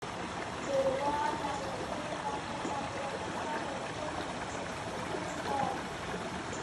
Billboard la propuso como una promesa de "fun pop".